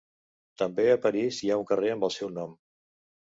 També a París hi ha un carrer amb el seu nom.